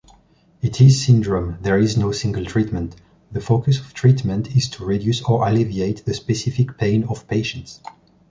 It is syndrome, there is no single treatment. The focus of treatment is to reduce or alleviate the specific pain of patients.